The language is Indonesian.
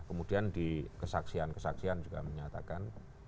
kemudian di kesaksian kesaksian juga menyatakan